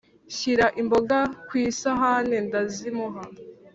Nshyira imboga kw’isahane ndazimuha